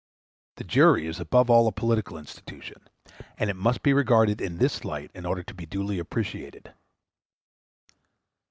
The jury is above all a political institution, and it must be regarded in this light in order to be duly appreciated.